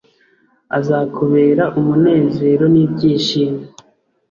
Azakubera umunezero ni byishimo